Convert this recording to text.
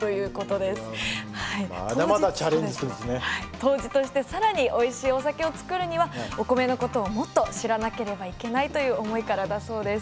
杜氏として更においしいお酒を造るにはお米のことをもっと知らなければいけないという思いからだそうです。